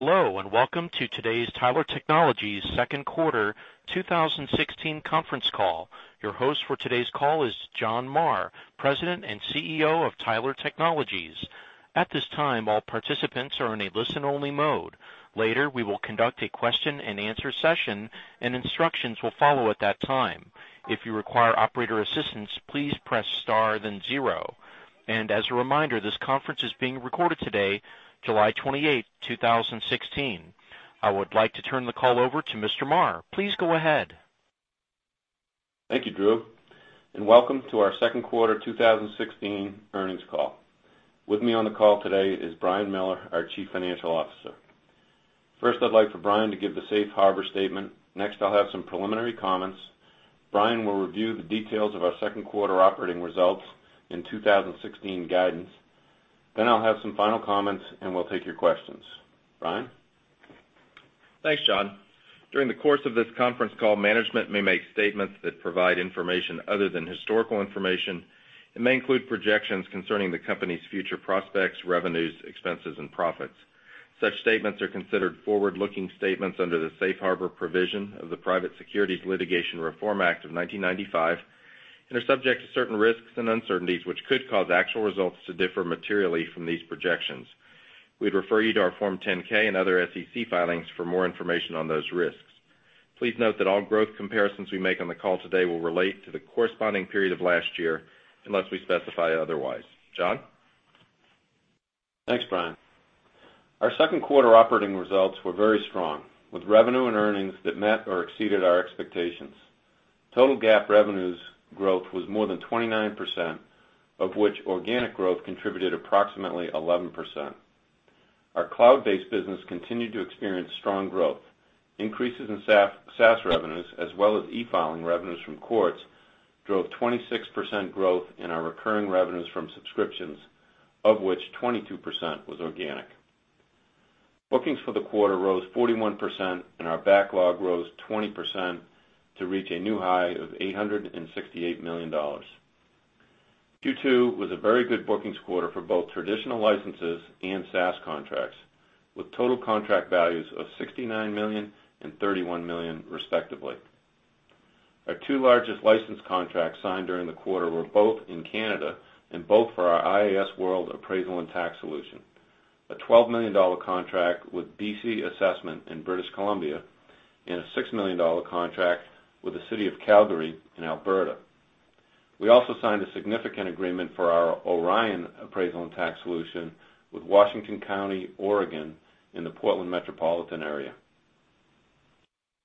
Hello, welcome to today's Tyler Technologies second quarter 2016 conference call. Your host for today's call is John Marr, President and CEO of Tyler Technologies. At this time, all participants are in a listen-only mode. Later, we will conduct a question and answer session, and instructions will follow at that time. If you require operator assistance, please press star then zero. As a reminder, this conference is being recorded today, July 28, 2016. I would like to turn the call over to Mr. Marr. Please go ahead. Thank you, Drew, and welcome to our second quarter 2016 earnings call. With me on the call today is Brian Miller, our Chief Financial Officer. First, I'd like for Brian to give the safe harbor statement. Next, I'll have some preliminary comments. Brian will review the details of our second quarter operating results and 2016 guidance. I'll have some final comments, and we'll take your questions. Brian? Thanks, John. During the course of this conference call, management may make statements that provide information other than historical information. It may include projections concerning the company's future prospects, revenues, expenses, and profits. Such statements are considered forward-looking statements under the safe harbor provision of the Private Securities Litigation Reform Act of 1995 and are subject to certain risks and uncertainties which could cause actual results to differ materially from these projections. We'd refer you to our Form 10-K and other SEC filings for more information on those risks. Please note that all growth comparisons we make on the call today will relate to the corresponding period of last year unless we specify otherwise. John? Thanks, Brian. Our second quarter operating results were very strong, with revenue and earnings that met or exceeded our expectations. Total GAAP revenues growth was more than 29%, of which organic growth contributed approximately 11%. Our cloud-based business continued to experience strong growth. Increases in SaaS revenues as well as e-filing revenues from courts drove 26% growth in our recurring revenues from subscriptions, of which 22% was organic. Bookings for the quarter rose 41%, and our backlog rose 20% to reach a new high of $868 million. Q2 was a very good bookings quarter for both traditional licenses and SaaS contracts, with total contract values of $69 million and $31 million, respectively. Our two largest license contracts signed during the quarter were both in Canada and both for our iasWorld appraisal and tax solution, a $12 million contract with BC Assessment in British Columbia and a $6 million contract with the City of Calgary in Alberta. We also signed a significant agreement for our Orion appraisal and tax solution with Washington County, Oregon, in the Portland metropolitan area.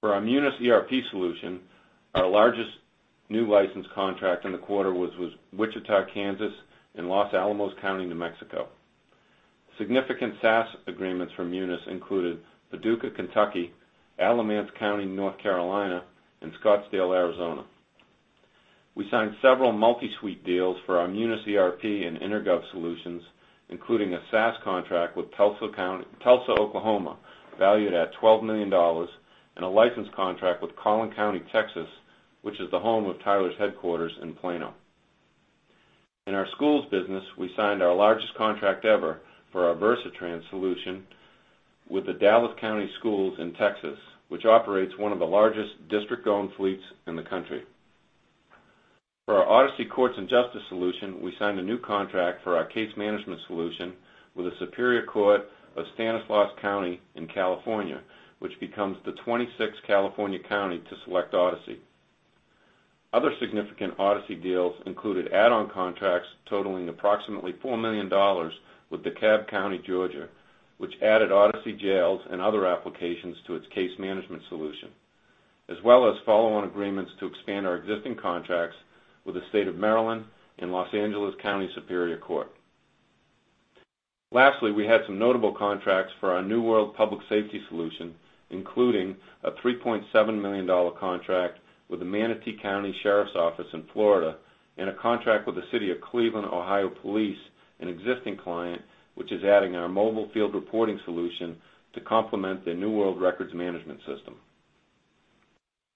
For our Munis ERP solution, our largest new license contract in the quarter was with Wichita, Kansas, and Los Alamos County, New Mexico. Significant SaaS agreements for Munis included Paducah, Kentucky, Alamance County, North Carolina, and Scottsdale, Arizona. We signed several multi-suite deals for our Munis ERP and InterGov solutions, including a SaaS contract with Tulsa, Oklahoma, valued at $12 million, and a license contract with Collin County, Texas, which is the home of Tyler's headquarters in Plano. In our schools business, we signed our largest contract ever for our Versatrans solution with the Dallas County Schools in Texas, which operates one of the largest district-owned fleets in the country. For our Odyssey Courts and Justice solution, we signed a new contract for our case management solution with the Superior Court of Stanislaus County in California, which becomes the 26th California county to select Odyssey. Other significant Odyssey deals included add-on contracts totaling approximately $4 million with DeKalb County, Georgia, which added Odyssey Jails and other applications to its case management solution, as well as follow-on agreements to expand our existing contracts with the State of Maryland and Los Angeles County Superior Court. Lastly, we had some notable contracts for our New World public safety solution, including a $3.7 million contract with the Manatee County Sheriff's Office in Florida and a contract with the City of Cleveland, Ohio Police, an existing client, which is adding our mobile field reporting solution to complement their New World records management system.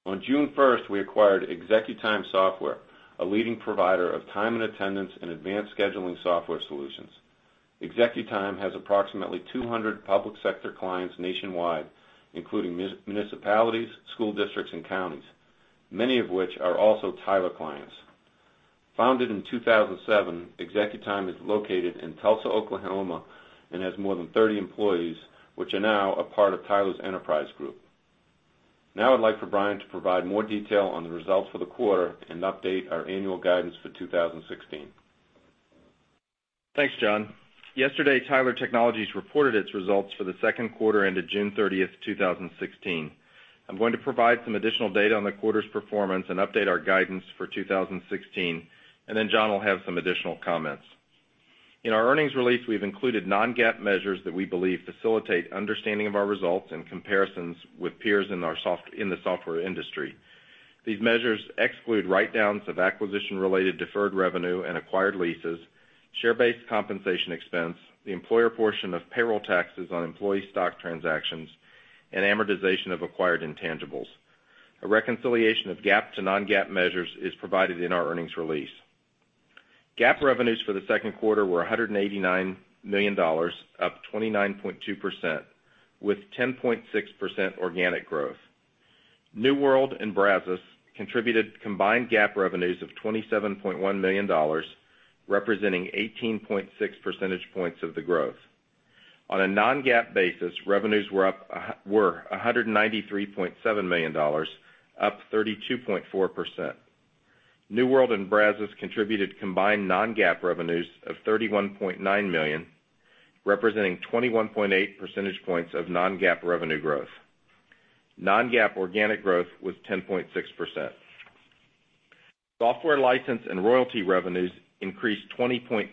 On June 1st, we acquired ExecuTime Software, a leading provider of time and attendance and advanced scheduling software solutions. ExecuTime has approximately 200 public sector clients nationwide, including municipalities, school districts, and counties, many of which are also Tyler clients. Founded in 2007, ExecuTime is located in Tulsa, Oklahoma, and has more than 30 employees, which are now a part of Tyler's enterprise group. I'd like for Brian to provide more detail on the results for the quarter and update our annual guidance for 2016. Thanks, John. Yesterday, Tyler Technologies reported its results for the second quarter ended June 30th, 2016. I'm going to provide some additional data on the quarter's performance and update our guidance for 2016. John will have some additional comments. In our earnings release, we've included non-GAAP measures that we believe facilitate understanding of our results and comparisons with peers in the software industry. These measures exclude write-downs of acquisition-related deferred revenue and acquired leases, share-based compensation expense, the employer portion of payroll taxes on employee stock transactions, and amortization of acquired intangibles. A reconciliation of GAAP to non-GAAP measures is provided in our earnings release. GAAP revenues for the second quarter were $189 million, up 29.2%, with 10.6% organic growth. New World and Brazos contributed combined GAAP revenues of $27.1 million, representing 18.6 percentage points of the growth. On a non-GAAP basis, revenues were $193.7 million, up 32.4%. New World and Brazos contributed combined non-GAAP revenues of $31.9 million, representing 21.8 percentage points of non-GAAP revenue growth. Non-GAAP organic growth was 10.6%. Software license and royalty revenues increased 20.3%.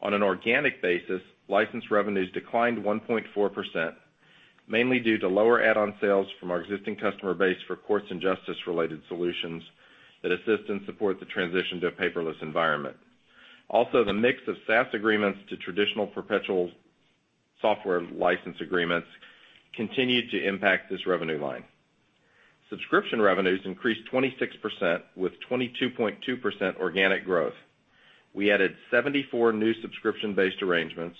On an organic basis, license revenues declined 1.4%, mainly due to lower add-on sales from our existing customer base for courts and justice-related solutions that assist and support the transition to a paperless environment. Also, the mix of SaaS agreements to traditional perpetual software license agreements continued to impact this revenue line. Subscription revenues increased 26%, with 22.2% organic growth. We added 74 new subscription-based arrangements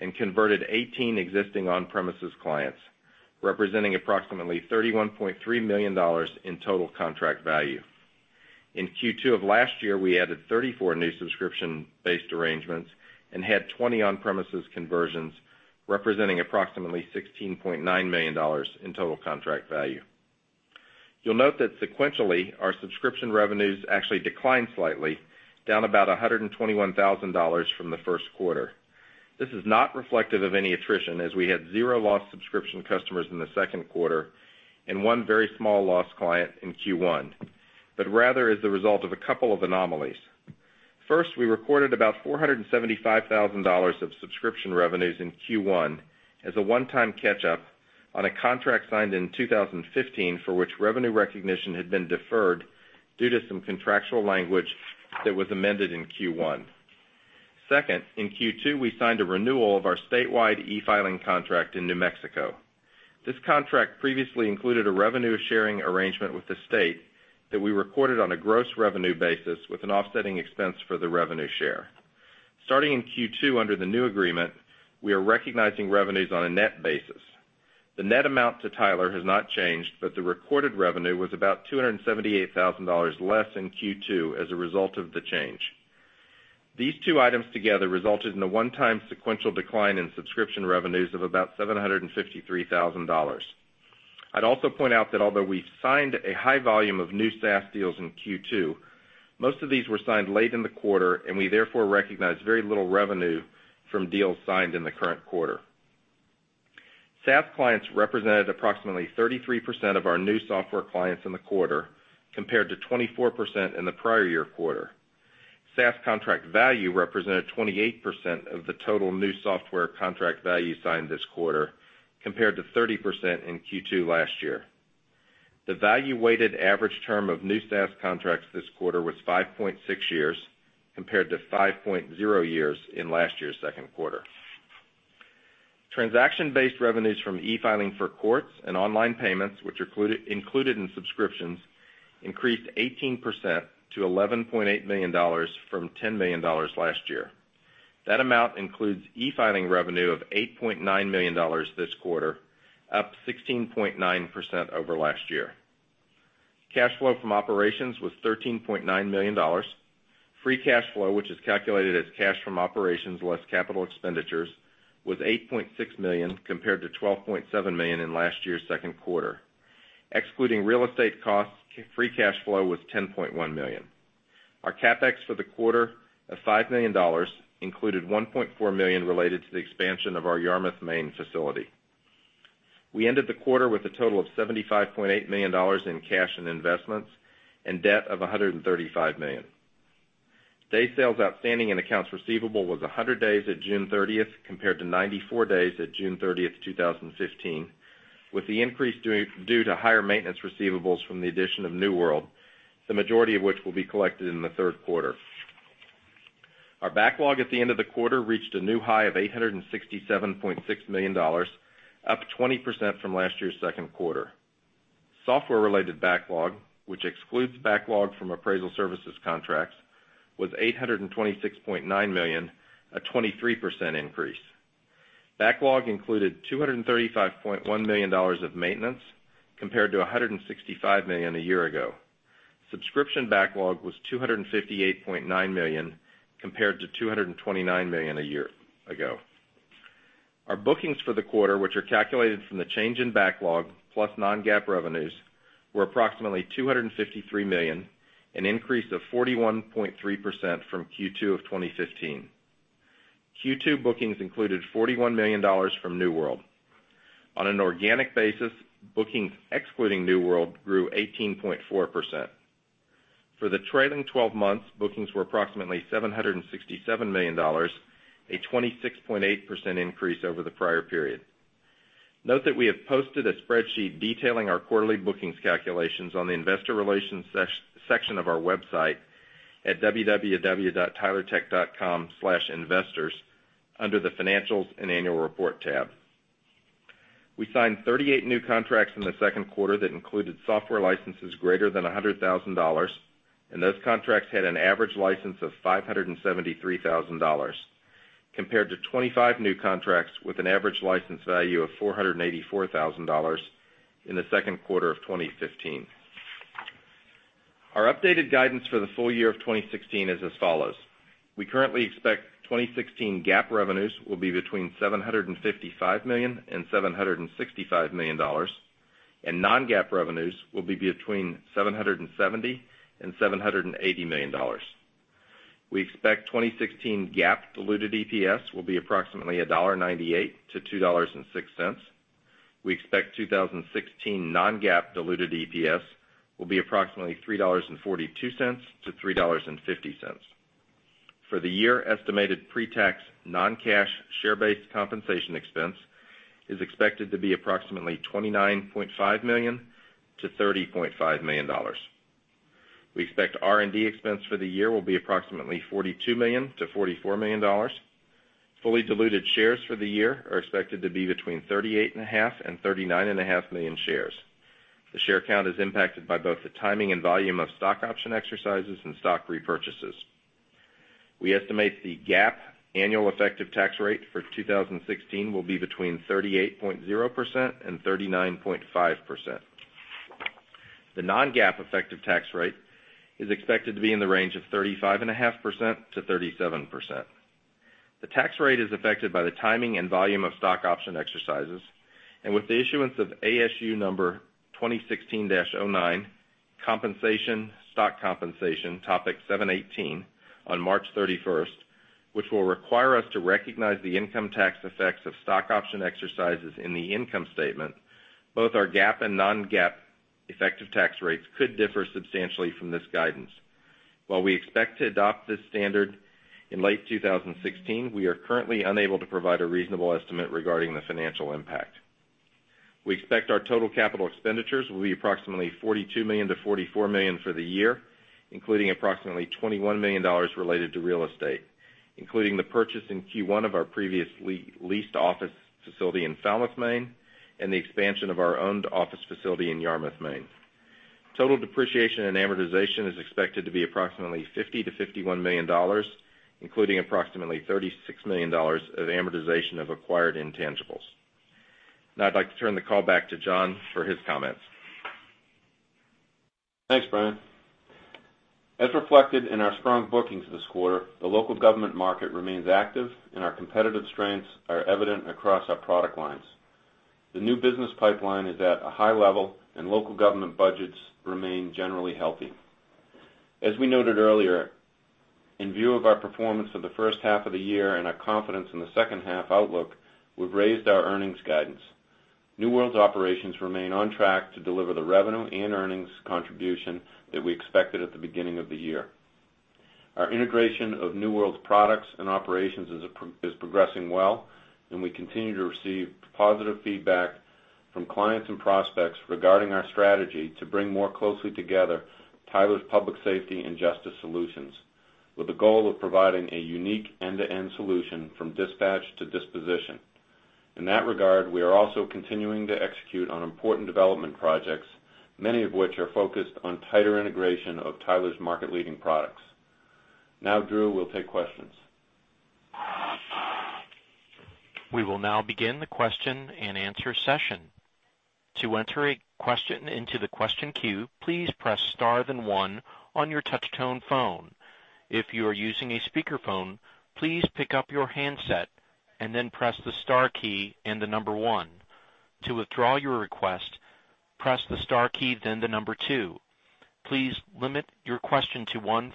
and converted 18 existing on-premises clients, representing approximately $31.3 million in total contract value. In Q2 of last year, we added 34 new subscription-based arrangements and had 20 on-premises conversions, representing approximately $16.9 million in total contract value. You'll note that sequentially, our subscription revenues actually declined slightly, down about $121,000 from the first quarter. This is not reflective of any attrition, as we had zero lost subscription customers in the second quarter and one very small lost client in Q1, but rather is the result of a couple of anomalies. First, we recorded about $475,000 of subscription revenues in Q1 as a one-time catch-up on a contract signed in 2015, for which revenue recognition had been deferred due to some contractual language that was amended in Q1. Second, in Q2, we signed a renewal of our statewide e-filing contract in New Mexico. This contract previously included a revenue-sharing arrangement with the state that we recorded on a gross revenue basis with an offsetting expense for the revenue share. Starting in Q2, under the new agreement, we are recognizing revenues on a net basis. The net amount to Tyler has not changed, but the recorded revenue was about $278,000 less in Q2 as a result of the change. These two items together resulted in a one-time sequential decline in subscription revenues of about $753,000. I'd also point out that although we signed a high volume of new SaaS deals in Q2, most of these were signed late in the quarter, and we therefore recognized very little revenue from deals signed in the current quarter. SaaS clients represented approximately 33% of our new software clients in the quarter, compared to 24% in the prior year quarter. SaaS contract value represented 28% of the total new software contract value signed this quarter, compared to 30% in Q2 last year. The value-weighted average term of new SaaS contracts this quarter was 5.6 years, compared to 5.0 years in last year's second quarter. Transaction-based revenues from e-filing for courts and online payments, which are included in subscriptions, increased 18% to $11.8 million from $10 million last year. That amount includes e-filing revenue of $8.9 million this quarter, up 16.9% over last year. Cash flow from operations was $13.9 million. Free cash flow, which is calculated as cash from operations less capital expenditures, was $8.6 million, compared to $12.7 million in last year's second quarter. Excluding real estate costs, free cash flow was $10.1 million. Our CapEx for the quarter of $5 million included $1.4 million related to the expansion of our Yarmouth, Maine, facility. We ended the quarter with a total of $75.8 million in cash and investments and debt of $135 million. Day sales outstanding and accounts receivable was 100 days at June 30th, compared to 94 days at June 30th, 2015, with the increase due to higher maintenance receivables from the addition of New World, the majority of which will be collected in the third quarter. Our backlog at the end of the quarter reached a new high of $867.6 million, up 20% from last year's second quarter. Software-related backlog, which excludes backlog from appraisal services contracts, was $826.9 million, a 23% increase. Backlog included $235.1 million of maintenance, compared to $165 million a year ago. Subscription backlog was $258.9 million, compared to $229 million a year ago. Our bookings for the quarter, which are calculated from the change in backlog plus non-GAAP revenues, were approximately $253 million, an increase of 41.3% from Q2 of 2015. Q2 bookings included $41 million from New World. On an organic basis, bookings excluding New World grew 18.4%. For the trailing 12 months, bookings were approximately $767 million, a 26.8% increase over the prior period. Note that we have posted a spreadsheet detailing our quarterly bookings calculations on the investor relations section of our website at www.tylertech.com/investors under the Financials and Annual Report tab. We signed 38 new contracts in the second quarter that included software licenses greater than $100,000, and those contracts had an average license of $573,000, compared to 25 new contracts with an average license value of $484,000 in the second quarter of 2015. Our updated guidance for the full year of 2016 is as follows. We currently expect 2016 GAAP revenues will be between $755 million-$765 million, and non-GAAP revenues will be between $770 million-$780 million. We expect 2016 GAAP diluted EPS will be approximately $1.98-$2.06. We expect 2016 non-GAAP diluted EPS will be approximately $3.42-$3.50. For the year, estimated pre-tax non-cash share-based compensation expense is expected to be approximately $29.5 million-$30.5 million. We expect R&D expense for the year will be approximately $42 million-$44 million. Fully diluted shares for the year are expected to be between 38.5 million-39.5 million shares. The share count is impacted by both the timing and volume of stock option exercises and stock repurchases. We estimate the GAAP annual effective tax rate for 2016 will be between 38.0%-39.5%. The non-GAAP effective tax rate is expected to be in the range of 35.5%-37%. The tax rate is affected by the timing and volume of stock option exercises, and with the issuance of ASU No. 2016-09, Compensation—Stock Compensation, Topic 718, on March 31st, which will require us to recognize the income tax effects of stock option exercises in the income statement, both our GAAP and non-GAAP effective tax rates could differ substantially from this guidance. While we expect to adopt this standard in late 2016, we are currently unable to provide a reasonable estimate regarding the financial impact. We expect our total capital expenditures will be approximately $42 million-$44 million for the year, including approximately $21 million related to real estate, including the purchase in Q1 of our previously leased office facility in Falmouth, Maine, and the expansion of our owned office facility in Yarmouth, Maine. Total depreciation and amortization is expected to be approximately $50 million-$51 million, including approximately $36 million of amortization of acquired intangibles. Now I'd like to turn the call back to John for his comments. Thanks, Brian. As reflected in our strong bookings this quarter, the local government market remains active and our competitive strengths are evident across our product lines. The new business pipeline is at a high level, and local government budgets remain generally healthy. As we noted earlier, in view of our performance for the first half of the year and our confidence in the second half outlook, we've raised our earnings guidance. New World's operations remain on track to deliver the revenue and earnings contribution that we expected at the beginning of the year. Our integration of New World's products and operations is progressing well, and we continue to receive positive feedback from clients and prospects regarding our strategy to bring more closely together Tyler's Public Safety and Justice Solutions, with the goal of providing a unique end-to-end solution from dispatch to disposition. In that regard, we are also continuing to execute on important development projects, many of which are focused on tighter integration of Tyler's market-leading products. Now, Drew, we'll take questions. We will now begin the question and answer session. To enter a question into the question queue, please press star then one on your touch tone phone. If you are using a speakerphone, please pick up your handset and then press the star key and the number one. To withdraw your request, press the star key, then the number two. Please limit your question to one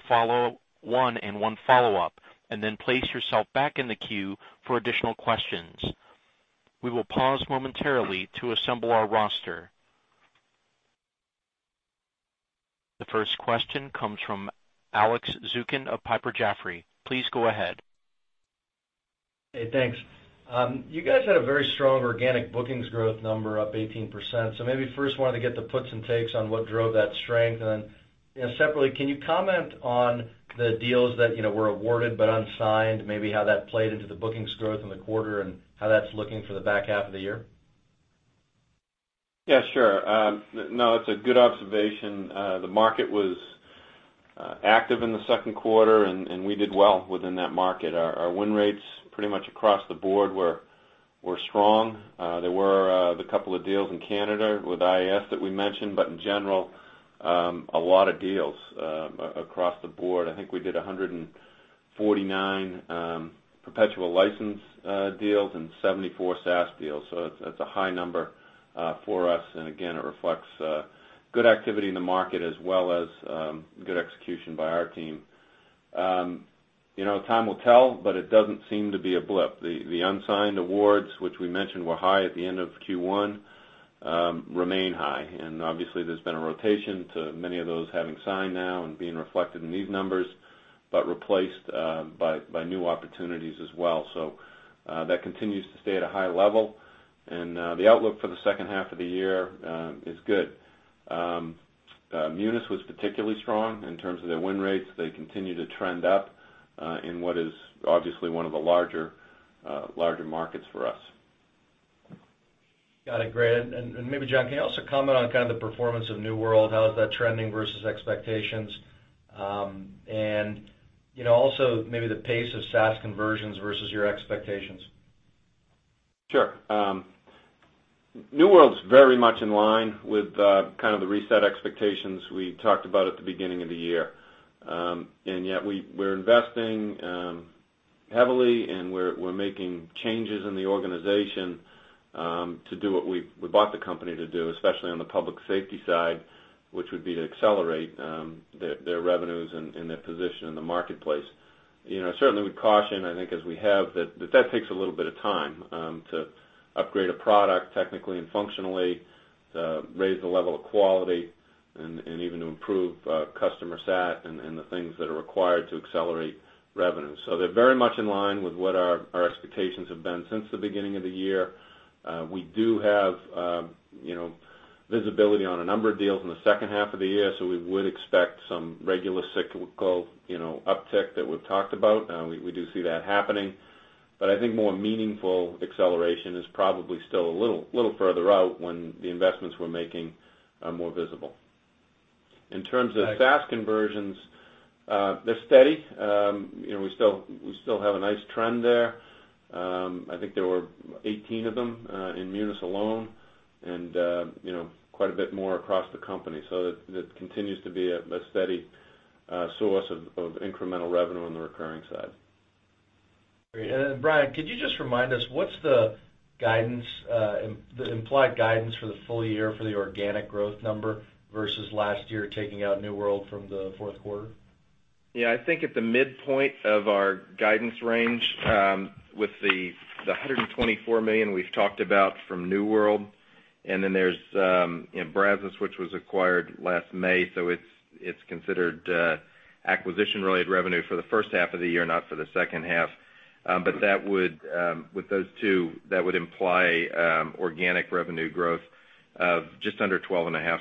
and one follow-up, and then place yourself back in the queue for additional questions. We will pause momentarily to assemble our roster. The first question comes from Alex Zukin of Piper Jaffray. Please go ahead. Hey, thanks. You guys had a very strong organic bookings growth number up 18%, so maybe first wanted to get the puts and takes on what drove that strength. Separately, can you comment on the deals that were awarded but unsigned, maybe how that played into the bookings growth in the quarter, and how that's looking for the back half of the year? Yeah, sure. No, it's a good observation. The market was active in the second quarter, and we did well within that market. Our win rates pretty much across the board were strong. There were the couple of deals in Canada with iasWorld that we mentioned. In general, a lot of deals across the board. I think we did 149 perpetual license deals and 74 SaaS deals. That's a high number for us. Again, it reflects good activity in the market as well as good execution by our team. Time will tell, it doesn't seem to be a blip. The unsigned awards, which we mentioned were high at the end of Q1, remain high. Obviously, there's been a rotation to many of those having signed now and being reflected in these numbers, replaced by new opportunities as well. That continues to stay at a high level, the outlook for the second half of the year is good. Munis was particularly strong in terms of their win rates. They continue to trend up in what is obviously one of the larger markets for us. Got it. Great. Maybe, John, can you also comment on the performance of New World? How is that trending versus expectations? Also maybe the pace of SaaS conversions versus your expectations. Sure. New World's very much in line with the reset expectations we talked about at the beginning of the year. Yet we're investing heavily, we're making changes in the organization to do what we bought the company to do, especially on the public safety side, which would be to accelerate their revenues and their position in the marketplace. Certainly, with caution, I think as we have, that takes a little bit of time to upgrade a product technically and functionally, raise the level of quality, and even to improve customer sat and the things that are required to accelerate revenue. They're very much in line with what our expectations have been since the beginning of the year. We do have visibility on a number of deals in the second half of the year, we would expect some regular cyclical uptick that we've talked about. We do see that happening. I think more meaningful acceleration is probably still a little further out when the investments we're making are more visible. In terms of SaaS conversions, they're steady. We still have a nice trend there. I think there were 18 of them in Munis alone, and quite a bit more across the company. That continues to be a steady source of incremental revenue on the recurring side. Great. Brian, could you just remind us what's the implied guidance for the full year for the organic growth number versus last year, taking out New World from the fourth quarter? I think at the midpoint of our guidance range, with the $124 million we've talked about from New World, there's Brazos, which was acquired last May, so it's considered acquisition-related revenue for the first half of the year, not for the second half. With those two, that would imply organic revenue growth of just under 12.5%,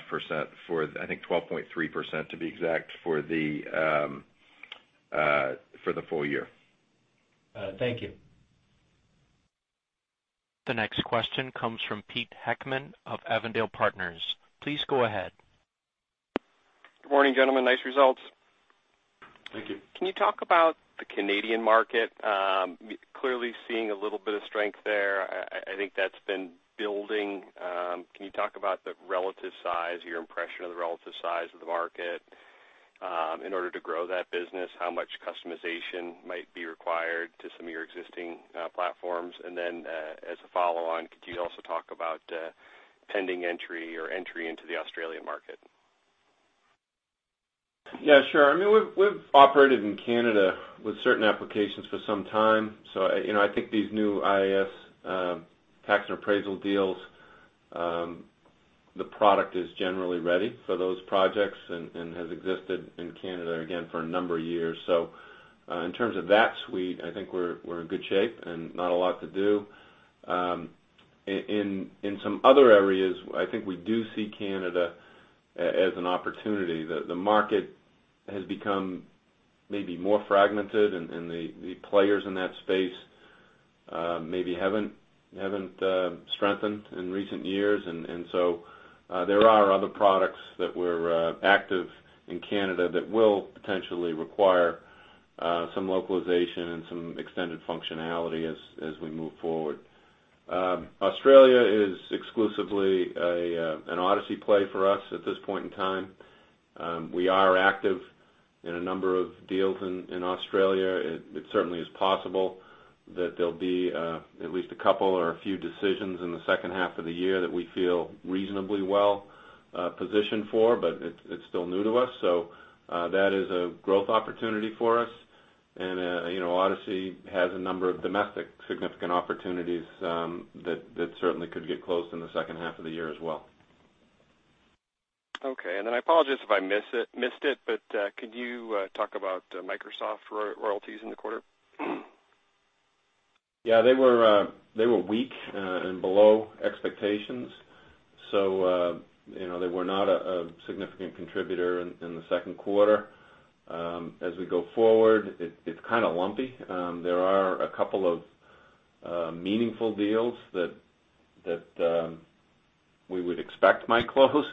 I think 12.3% to be exact, for the full year. Thank you. The next question comes from Pete Heckmann of Avondale Partners. Please go ahead. Good morning, gentlemen. Nice results. Thank you. Can you talk about the Canadian market? Clearly seeing a little bit of strength there. I think that's been building. Can you talk about the relative size, your impression of the relative size of the market? In order to grow that business, how much customization might be required to some of your existing platforms? As a follow-on, could you also talk about pending entry or entry into the Australian market? Sure. We've operated in Canada with certain applications for some time. I think these new iasWorld tax and appraisal deals, the product is generally ready for those projects and has existed in Canada, again, for a number of years. In terms of that suite, I think we're in good shape and not a lot to do. In some other areas, I think we do see Canada as an opportunity. The market has become maybe more fragmented, and the players in that space maybe haven't strengthened in recent years. There are other products that were active in Canada that will potentially require some localization and some extended functionality as we move forward. Australia is exclusively an Odyssey play for us at this point in time. We are active in a number of deals in Australia. It certainly is possible that there'll be at least a couple or a few decisions in the second half of the year that we feel reasonably well-positioned for, but it's still new to us. That is a growth opportunity for us. Odyssey has a number of domestic significant opportunities that certainly could get closed in the second half of the year as well. I apologize if I missed it, could you talk about Microsoft royalties in the quarter? They were weak and below expectations, they were not a significant contributor in the second quarter. As we go forward, it's kind of lumpy. There are a couple of meaningful deals that we would expect might close.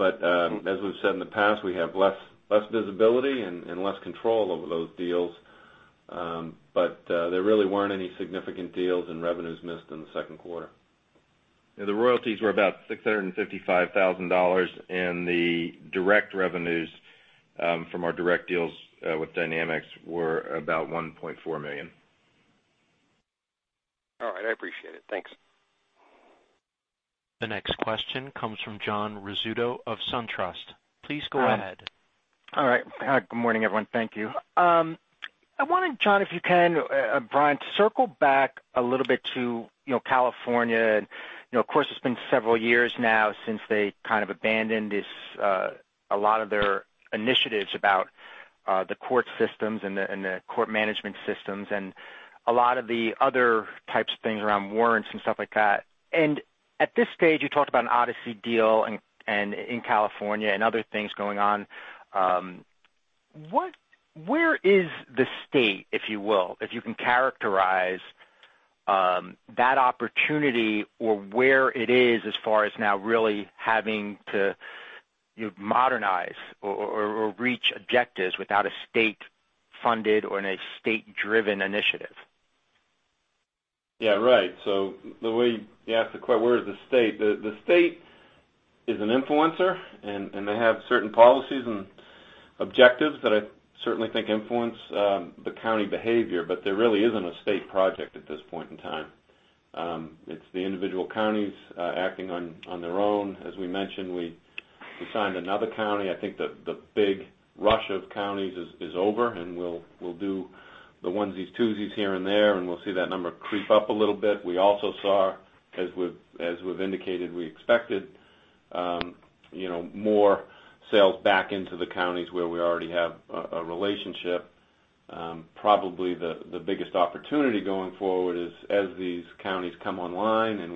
As we've said in the past, we have less visibility and less control over those deals. There really weren't any significant deals and revenues missed in the second quarter. The royalties were about $655,000, and the direct revenues from our direct deals with Dynamics were about $1.4 million. All right. I appreciate it. Thanks. The next question comes from John Rizzuto of SunTrust. Please go ahead. All right. Good morning, everyone. Thank you. I wonder, John, if you can, Brian, circle back a little bit to California. Of course, it's been several years now since they abandoned a lot of their initiatives about the court systems and the court management systems, a lot of the other types of things around warrants and stuff like that. At this stage, you talked about an Odyssey deal in California and other things going on. Where is the state, if you will, if you can characterize that opportunity or where it is as far as now really having to modernize or reach objectives without a state-funded or in a state-driven initiative? The way you asked, where is the state? The state is an influencer, and they have certain policies and objectives that I certainly think influence the county behavior. There really isn't a state project at this point in time. It's the individual counties acting on their own. As we mentioned, we signed another county. I think the big rush of counties is over, and we'll do the onesies, twosies here and there, and we'll see that number creep up a little bit. We also saw, as we've indicated we expected, more sales back into the counties where we already have a relationship. Probably the biggest opportunity going forward is as these counties come online, and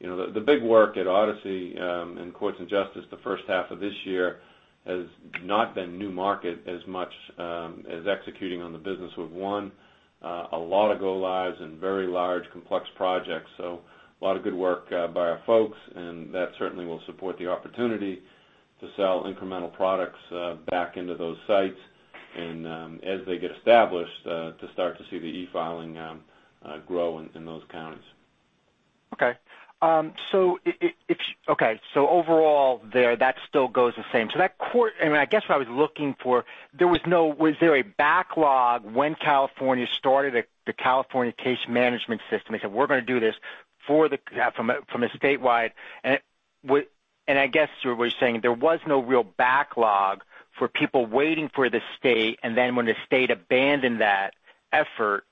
the big work at Odyssey, in courts and justice the first half of this year, has not been new market as much as executing on the business we've won. A lot of go lives and very large, complex projects. A lot of good work by our folks, and that certainly will support the opportunity to sell incremental products back into those sites. As they get established, to start to see the e-filing grow in those counties. Okay. Overall there, that still goes the same. That, I guess what I was looking for, was there a backlog when California started the California Court Case Management System? They said, "We're going to do this from a statewide" I guess you were saying there was no real backlog for people waiting for the state, and then when the state abandoned that effort,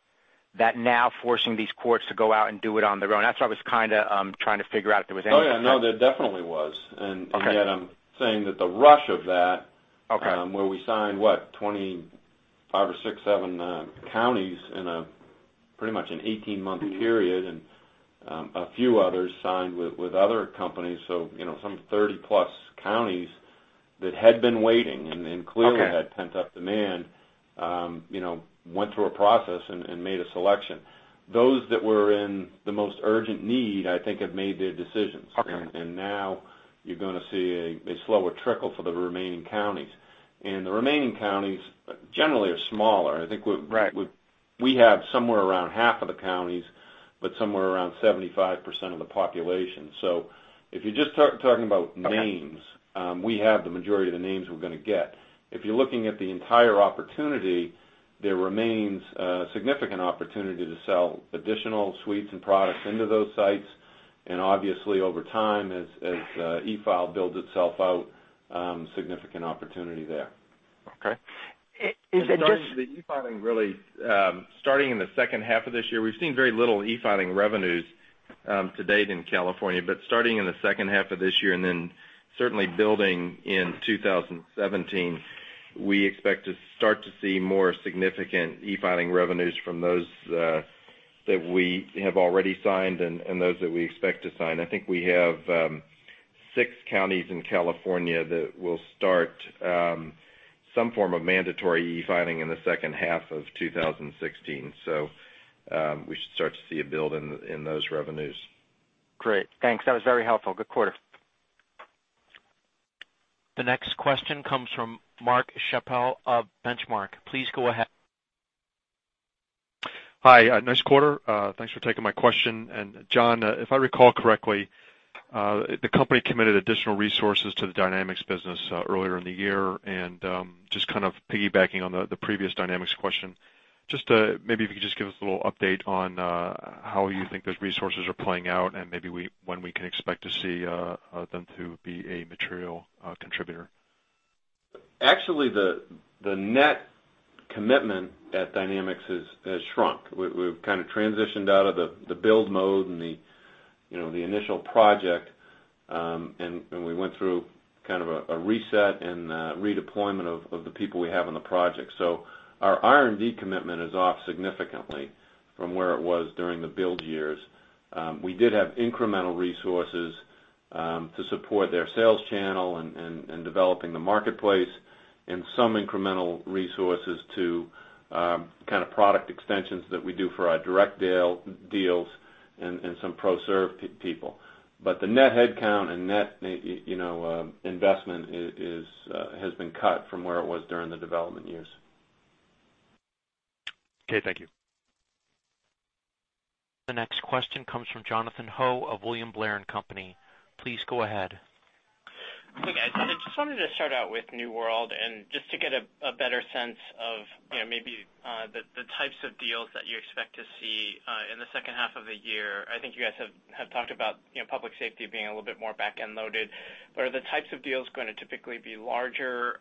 that now forcing these courts to go out and do it on their own. That's what I was trying to figure out if there was anything. Oh, yeah. No, there definitely was. Okay. Yet I'm saying that the rush of that. Okay where we signed, what? 25 or 6, 7 counties in pretty much an 18-month period. A few others signed with other companies. Some 30-plus counties that had been waiting and clearly. Okay had pent-up demand, went through a process and made a selection. Those that were in the most urgent need, I think, have made their decisions. Okay. Now you're going to see a slower trickle for the remaining counties. The remaining counties generally are smaller. I think we. Right We have somewhere around half of the counties, but somewhere around 75% of the population. If you're just talking about names, we have the majority of the names we're going to get. If you're looking at the entire opportunity, there remains a significant opportunity to sell additional suites and products into those sites, and obviously, over time, as e-file builds itself out, significant opportunity there. Okay. Is it just Starting with the e-filing, really, starting in the second half of this year. We've seen very little e-filing revenues to date in California. Starting in the second half of this year, certainly building in 2017, we expect to start to see more significant e-filing revenues from those that we have already signed and those that we expect to sign. I think we have six counties in California that will start some form of mandatory e-filing in the second half of 2016. We should start to see a build in those revenues. Great. Thanks. That was very helpful. Good quarter. The next question comes from Mark Schappel of Benchmark. Please go ahead. Hi. Nice quarter. Thanks for taking my question. John, if I recall correctly, the company committed additional resources to the Dynamics business earlier in the year. Just kind of piggybacking on the previous Dynamics question, just maybe if you could just give us a little update on how you think those resources are playing out and maybe when we can expect to see them to be a material contributor. Actually, the net commitment at Dynamics has shrunk. We've kind of transitioned out of the build mode and the initial project, and we went through kind of a reset and redeployment of the people we have on the project. Our R&D commitment is off significantly from where it was during the build years. We did have incremental resources to support their sales channel and developing the marketplace and some incremental resources to kind of product extensions that we do for our direct deals and some ProServ people. The net headcount and net investment has been cut from where it was during the development years. Okay. Thank you. The next question comes from Jonathan Ho of William Blair & Company. Please go ahead. Hey, guys. I just wanted to start out with New World and just to get a better sense of maybe the types of deals that you expect to see in the second half of the year. I think you guys have talked about public safety being a little bit more back-end loaded. Are the types of deals going to typically be larger?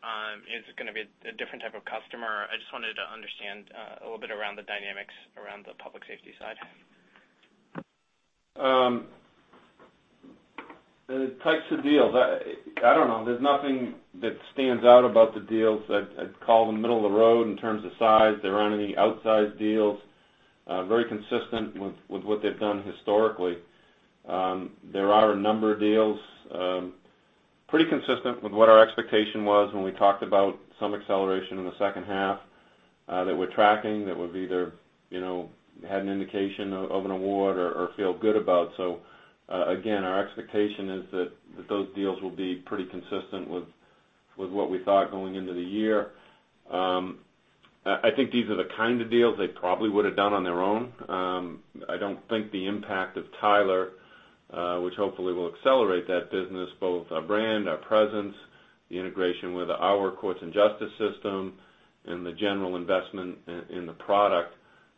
Is it going to be a different type of customer? I just wanted to understand a little bit around the dynamics around the public safety side. The types of deals. I don't know. There's nothing that stands out about the deals. I'd call them middle of the road in terms of size. There aren't any outsized deals. Very consistent with what they've done historically. There are a number of deals, pretty consistent with what our expectation was when we talked about some acceleration in the second half, that we're tracking that would either have an indication of an award or feel good about. Again, our expectation is that those deals will be pretty consistent with what we thought going into the year. I think these are the kind of deals they probably would have done on their own. I don't think the impact of Tyler, which hopefully will accelerate that business, both our brand, our presence, the integration with our courts and justice system, and the general investment in the product,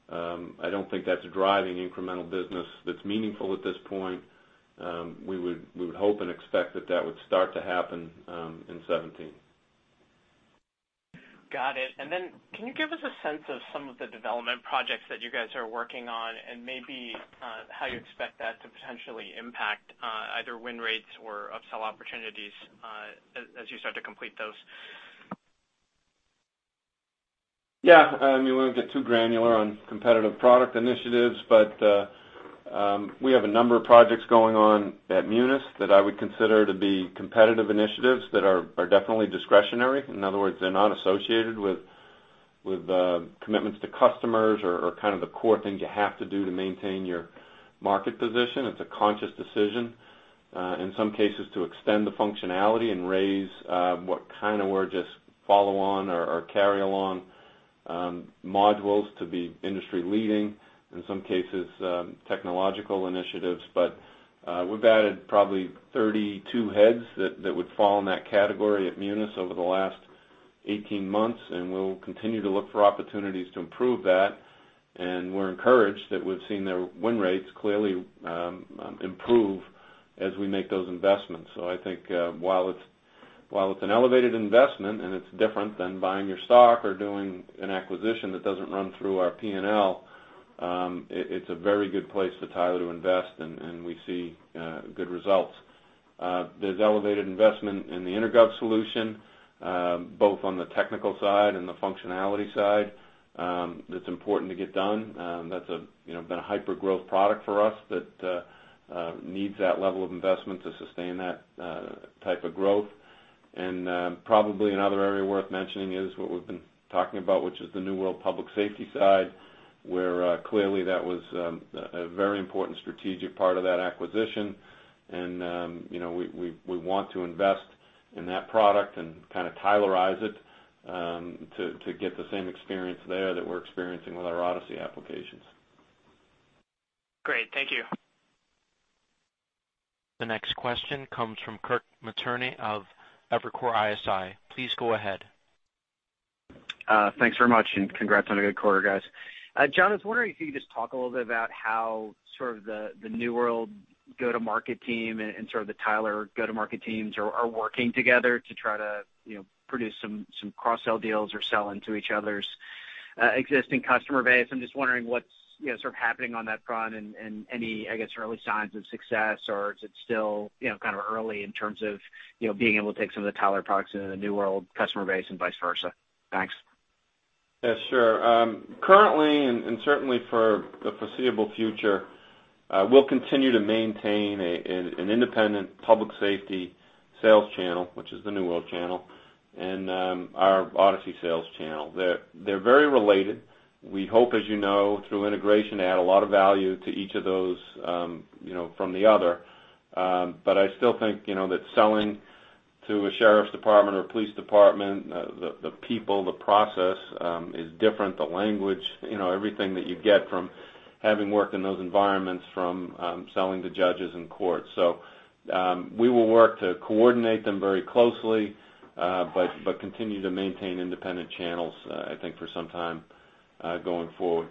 I don't think that's driving incremental business that's meaningful at this point. We would hope and expect that that would start to happen in 2017. Got it. Can you give us a sense of some of the development projects that you guys are working on and maybe how you expect that to potentially impact either win rates or upsell opportunities as you start to complete those? Yeah. We won't get too granular on competitive product initiatives, we have a number of projects going on at Munis that I would consider to be competitive initiatives that are definitely discretionary. In other words, they're not associated with commitments to customers or the core things you have to do to maintain your market position. It's a conscious decision, in some cases, to extend the functionality and raise what were just follow on or carry along modules to be industry-leading, in some cases, technological initiatives. We've added probably 32 heads that would fall in that category at Munis over the last 18 months, and we'll continue to look for opportunities to improve that. We're encouraged that we've seen their win rates clearly improve as we make those investments. I think while it's an elevated investment and it's different than buying your stock or doing an acquisition that doesn't run through our P&L, it's a very good place for Tyler to invest, and we see good results. There's elevated investment in the InterGov solution, both on the technical side and the functionality side, that's important to get done. That's been a hyper-growth product for us that needs that level of investment to sustain that type of growth. Probably another area worth mentioning is what we've been talking about, which is the New World Public Safety side, where clearly that was a very important strategic part of that acquisition. We want to invest in that product and Tylerize it to get the same experience there that we're experiencing with our Odyssey applications. Great. Thank you. The next question comes from Kirk Materne of Evercore ISI. Please go ahead. Thanks very much, congrats on a good quarter, guys. John, I was wondering if you could just talk a little bit about how the New World go-to-market team and the Tyler go-to-market teams are working together to try to produce some cross-sell deals or sell into each other's existing customer base. I'm just wondering what's happening on that front and any early signs of success, or is it still early in terms of being able to take some of the Tyler products into the New World customer base and vice versa? Thanks. Yeah, sure. Currently, certainly for the foreseeable future, we'll continue to maintain an independent public safety sales channel, which is the New World channel, and our Odyssey sales channel. They're very related. We hope, as you know, through integration, to add a lot of value to each of those from the other. I still think that selling to a sheriff's department or police department, the people, the process is different, the language, everything that you get from having worked in those environments from selling to judges in court. We will work to coordinate them very closely, but continue to maintain independent channels, I think, for some time going forward.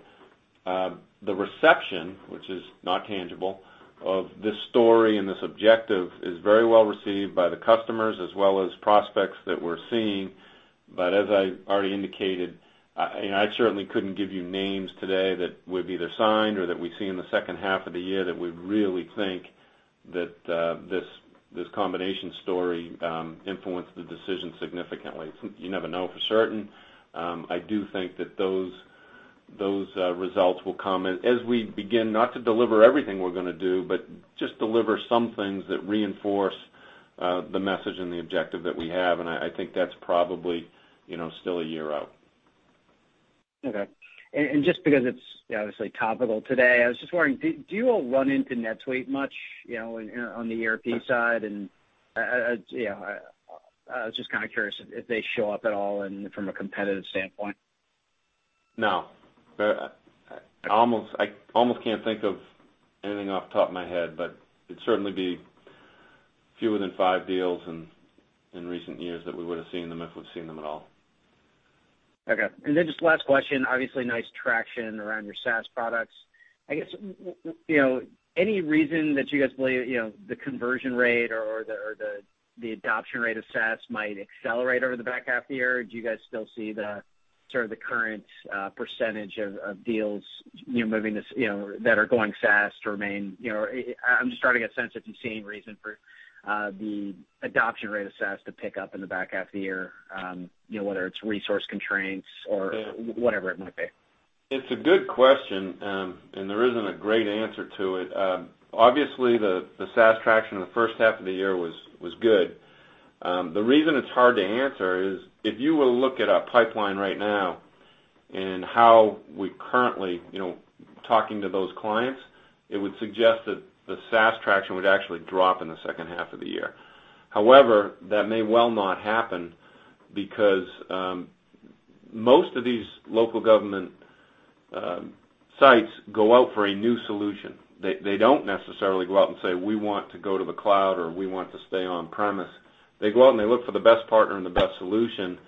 The reception, which is not tangible, of this story and this objective is very well received by the customers as well as prospects that we're seeing. As I already indicated, I certainly couldn't give you names today that we've either signed or that we see in the second half of the year that we really think that this combination story influenced the decision significantly. You never know for certain. I do think that those results will come as we begin not to deliver everything we're going to do, but just deliver some things that reinforce the message and the objective that we have. I think that's probably still a year out. Okay. Just because it's obviously topical today, I was just wondering, do you all run into NetSuite much on the ERP side? I was just curious if they show up at all from a competitive standpoint. No. I almost can't think of anything off the top of my head, but it'd certainly be fewer than five deals in recent years that we would've seen them, if we've seen them at all. Okay. Just last question, obviously nice traction around your SaaS products. I guess, any reason that you guys believe the conversion rate or the adoption rate of SaaS might accelerate over the back half of the year? Do you guys still see the Sort of the current percentage of deals that are going SaaS to remain? I'm just trying to get a sense if you're seeing reason for the adoption rate of SaaS to pick up in the back half of the year, whether it's resource constraints or whatever it might be. It's a good question, there isn't a great answer to it. Obviously, the SaaS traction in the first half of the year was good. The reason it's hard to answer is if you were to look at our pipeline right now and how we're currently talking to those clients, it would suggest that the SaaS traction would actually drop in the second half of the year. However, that may well not happen because most of these local government sites go out for a new solution. They don't necessarily go out and say, "We want to go to the cloud," or, "We want to stay on-premise." They go out, they look for the best partner and the best solution.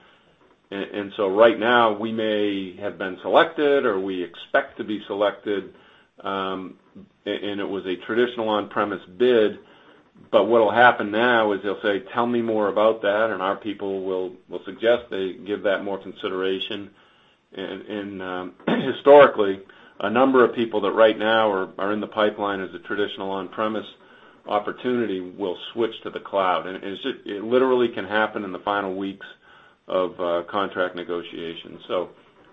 Right now, we may have been selected, or we expect to be selected, and it was a traditional on-premise bid. What'll happen now is they'll say, "Tell me more about that," our people will suggest they give that more consideration. Historically, a number of people that right now are in the pipeline as a traditional on-premise opportunity will switch to the cloud. It literally can happen in the final weeks of contract negotiations.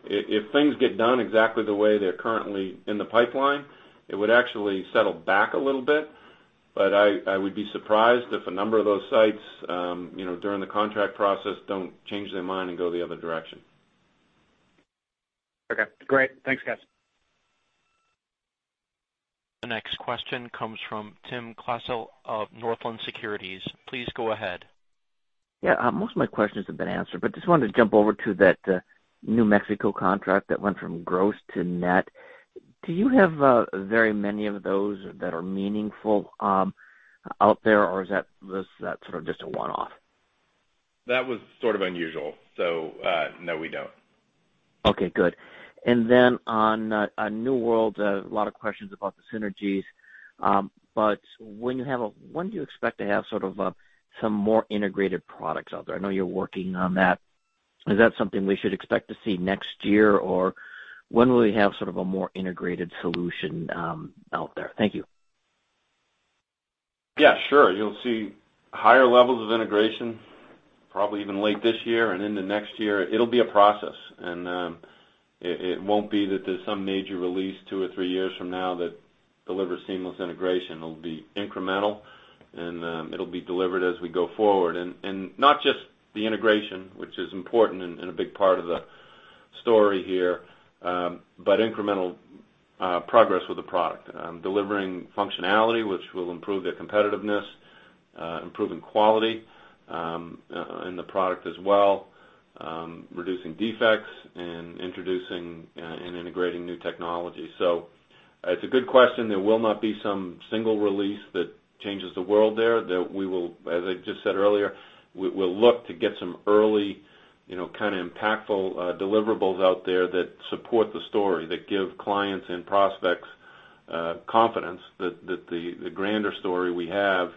If things get done exactly the way they're currently in the pipeline, it would actually settle back a little bit. I would be surprised if a number of those sites, during the contract process, don't change their mind and go the other direction. Okay, great. Thanks, guys. The next question comes from Tim Klasell of Northland Securities. Please go ahead. Yeah. Most of my questions have been answered, just wanted to jump over to that New Mexico contract that went from gross to net. Do you have very many of those that are meaningful out there, or is that sort of just a one-off? That was sort of unusual. No, we don't. Okay, good. On New World, a lot of questions about the synergies. When do you expect to have sort of some more integrated products out there? I know you're working on that. Is that something we should expect to see next year, or when will we have sort of a more integrated solution out there? Thank you. Yeah, sure. You'll see higher levels of integration probably even late this year and into next year. It'll be a process, and it won't be that there's some major release two or three years from now that delivers seamless integration. It'll be incremental, and it'll be delivered as we go forward. Not just the integration, which is important and a big part of the story here, but incremental progress with the product. Delivering functionality, which will improve their competitiveness, improving quality in the product as well, reducing defects, and introducing and integrating new technology. It's a good question. There will not be some single release that changes the world there. As I just said earlier, we'll look to get some early, kind of impactful deliverables out there that support the story, that give clients and prospects confidence that the grander story we have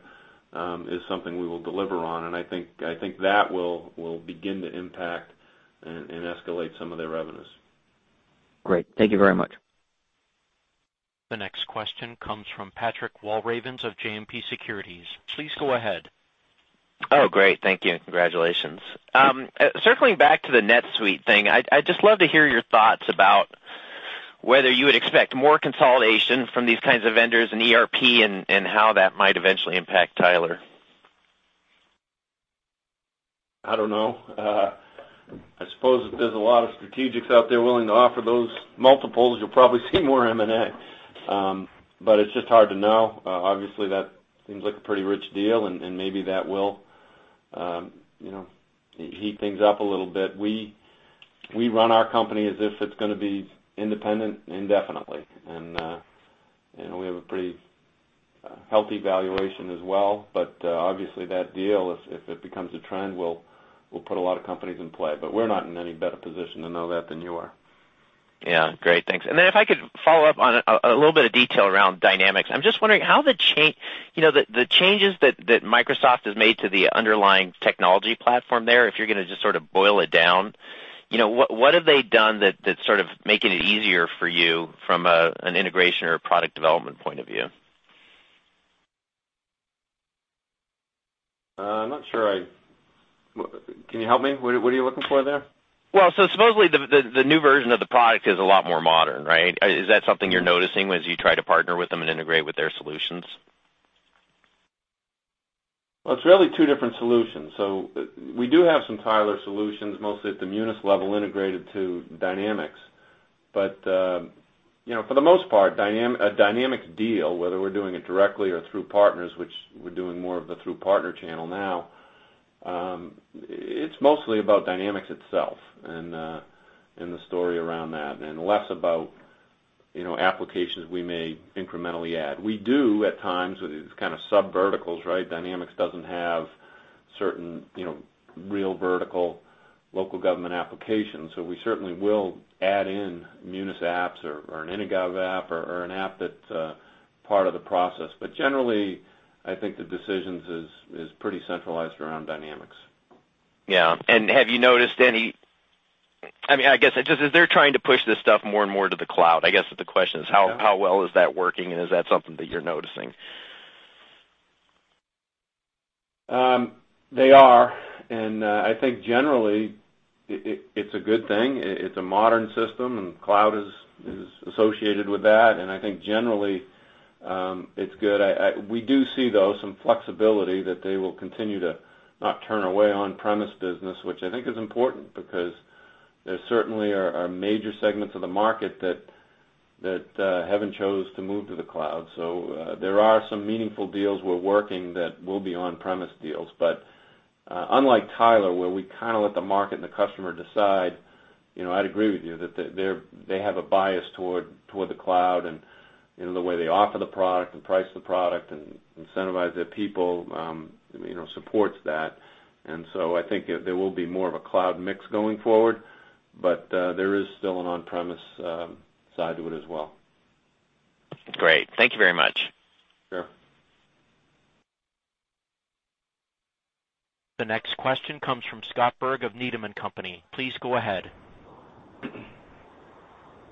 is something we will deliver on. I think that will begin to impact and escalate some of their revenues. Great. Thank you very much. The next question comes from Patrick Walravens of JMP Securities. Please go ahead. Great. Thank you. Congratulations. Circling back to the NetSuite thing, I'd just love to hear your thoughts about whether you would expect more consolidation from these kinds of vendors in ERP and how that might eventually impact Tyler. I don't know. I suppose if there's a lot of strategics out there willing to offer those multiples, you'll probably see more M&A. It's just hard to know. Obviously, that seems like a pretty rich deal, maybe that will heat things up a little bit. We run our company as if it's gonna be independent indefinitely, we have a pretty healthy valuation as well. Obviously that deal, if it becomes a trend, will put a lot of companies in play. We're not in any better position to know that than you are. Yeah. Great, thanks. If I could follow up on a little bit of detail around Dynamics. I'm just wondering the changes that Microsoft has made to the underlying technology platform there, if you're going to just sort of boil it down, what have they done that's sort of making it easier for you from an integration or product development point of view? I'm not sure. Can you help me? What are you looking for there? Supposedly the new version of the product is a lot more modern, right? Is that something you're noticing as you try to partner with them and integrate with their solutions? It's really two different solutions. We do have some Tyler solutions, mostly at the Munis level, integrated to Dynamics. For the most part, a Dynamics deal, whether we're doing it directly or through partners, which we're doing more of the through partner channel now, it's mostly about Dynamics itself and the story around that and less about applications we may incrementally add. We do at times with these kind of subverticals, right? Dynamics doesn't have certain real vertical local government applications. We certainly will add in Munis apps or an Incode app or an app that's part of the process. Generally, I think the decisions is pretty centralized around Dynamics. Yeah. Have you noticed any I guess, as they're trying to push this stuff more and more to the cloud, I guess that the question is how well is that working and is that something that you're noticing? They are. I think generally it's a good thing. It's a modern system and cloud is associated with that, and I think generally, it's good. We do see, though, some flexibility that they will continue to not turn away on-premise business, which I think is important because there certainly are major segments of the market that haven't chosen to move to the cloud. There are some meaningful deals we're working that will be on-premise deals. Unlike Tyler, where we let the market and the customer decide, I'd agree with you that they have a bias toward the cloud and the way they offer the product, and price the product, and incentivize their people, supports that. I think there will be more of a cloud mix going forward, but there is still an on-premise side to it as well. Great. Thank you very much. Sure. The next question comes from Scott Berg of Needham & Company. Please go ahead.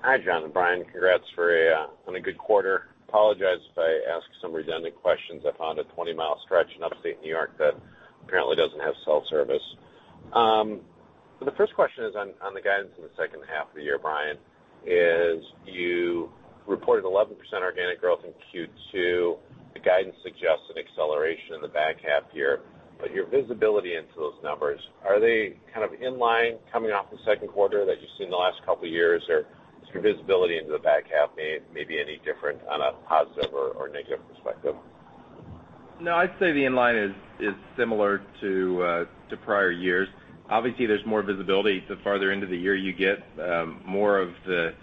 Hi, John and Brian. Congrats on a good quarter. Apologize if I ask some redundant questions. I found a 20-mile stretch in Upstate New York that apparently doesn't have cell service. The first question is on the guidance in the second half of the year, Brian, is you reported 11% organic growth in Q2. The guidance suggests an acceleration in the back half year. Your visibility into those numbers, are they in line coming off the second quarter that you've seen the last couple of years? Or is your visibility into the back half maybe any different on a positive or negative perspective? No, I'd say the inline is similar to prior years. Obviously, there's more visibility the farther into the year you get. More of the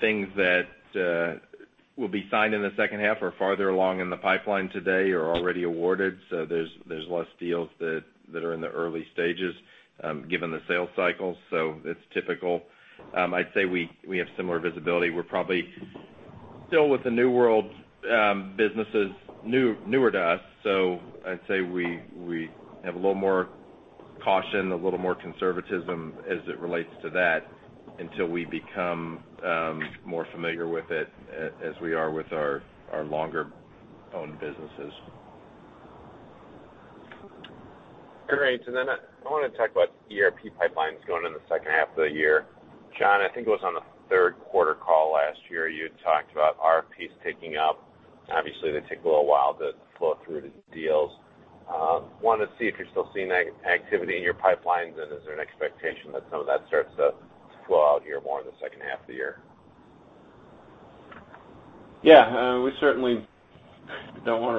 things that will be signed in the second half are farther along in the pipeline today or already awarded. There's less deals that are in the early stages given the sales cycle. It's typical. I'd say we have similar visibility. We're probably still with the New World businesses newer to us, so I'd say we have a little more caution, a little more conservatism as it relates to that until we become more familiar with it as we are with our longer-owned businesses. Great. I want to talk about ERP pipelines going in the second half of the year. John, I think it was on the third quarter call last year, you had talked about RFPs ticking up. Obviously, they take a little while to flow through to deals. Wanted to see if you're still seeing that activity in your pipelines, is there an expectation that some of that starts to flow out here more in the second half of the year? Yeah. We certainly don't want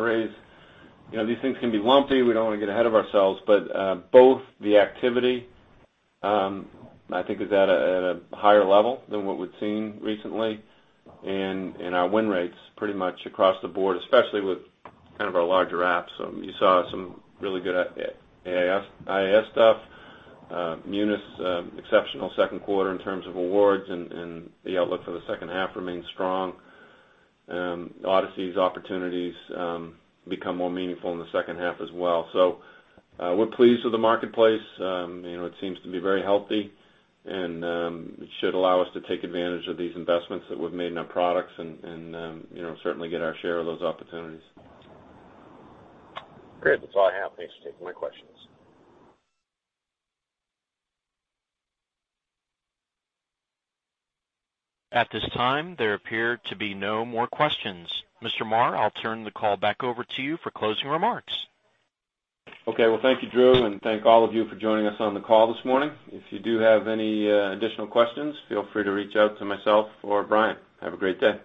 to get ahead of ourselves, but both the activity, I think is at a higher level than what we've seen recently, and our win rates pretty much across the board, especially with our larger apps. You saw some really good iasWorld stuff. Munis, exceptional second quarter in terms of awards and the outlook for the second half remains strong. Odyssey's opportunities become more meaningful in the second half as well. We're pleased with the marketplace. It seems to be very healthy and it should allow us to take advantage of these investments that we've made in our products and certainly get our share of those opportunities. Great. That's all I have. Thanks for taking my questions. At this time, there appear to be no more questions. Mr. Marr, I'll turn the call back over to you for closing remarks. Okay. Well, thank you, Drew, and thank all of you for joining us on the call this morning. If you do have any additional questions, feel free to reach out to myself or Brian. Have a great day.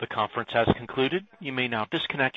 The conference has concluded. You may now disconnect.